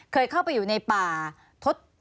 เคยเข้าไปอยู่ในป่าทศ